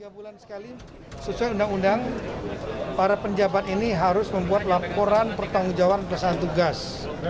tiga bulan sekali sesuai undang undang para penjabat ini harus membuat laporan pertanggung jawaban pelaksanaan tugas